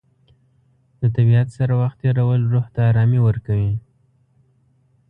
د طبیعت سره وخت تېرول روح ته ارامي ورکوي.